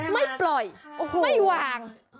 ไม่ปล่อยไม่วาง